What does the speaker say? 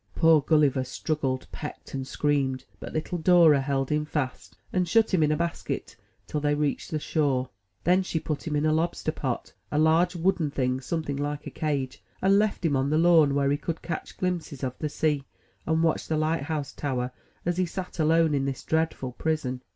Poor Gulliver struggled, pecked and screamed; but little Dora held him fast, and shut him in a basket till they reached the shore. 88 THE TREASURE CHEST Then she put him in a lobster pot,— a large wooden . thing, something like a cage, — ^and left him on the lawn, where he could catch glimpses of the sea, and watch the light house tower, as he sat alone in this dreadful prison.